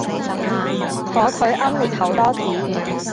火腿奄列厚多士